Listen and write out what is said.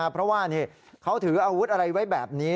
เพราะว่าเขาถืออาวุธอะไรไว้แบบนี้